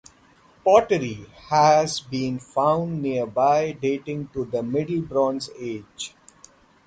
Pottery has been found nearby dating to the Middle Bronze Age.